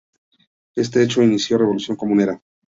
Este hecho inició la Revolución Comunera.